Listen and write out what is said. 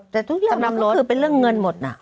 แต่ทุกเรื่องนี้ก็คือเป็นเรื่องเงินหมดนะ